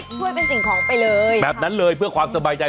ช่วยเป็นสิ่งของไปเลยแบบนั้นเลยเพื่อความสบายใจ